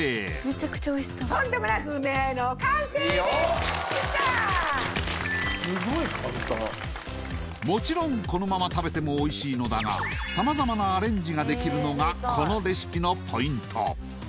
スゴい簡単もちろんこのまま食べてもおいしいのだが様々なアレンジができるのがこのレシピのポイント